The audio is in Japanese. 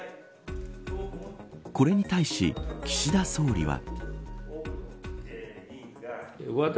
これに対し岸田総理は。